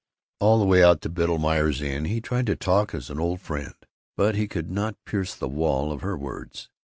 All the way out to Biddlemeier's Inn he tried to talk as an old friend, but he could not pierce the wall of her words.